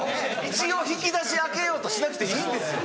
一応引き出し開けようとしなくていいんですよ。